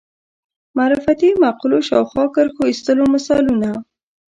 معرفتي مقولو شاوخوا کرښو ایستلو مثالونه